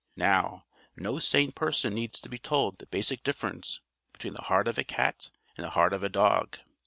Now, no sane person needs to be told the basic difference between the heart of a cat and the heart of a dog.